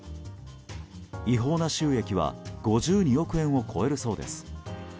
違法な収益は５２億円を超えるそうです。